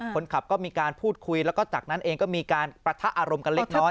คนขับก็มีการพูดคุยแล้วก็จากนั้นเองก็มีการประทะอารมณ์กันเล็กน้อย